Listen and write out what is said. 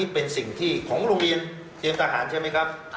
เป็นสิ่งที่ของโรงเรียนเตรียมทหารใช่ไหมครับ